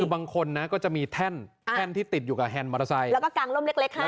คือบางคนนะก็จะมีแท่นแท่นที่ติดอยู่กับแฮนดมอเตอร์ไซค์แล้วก็กางร่มเล็กให้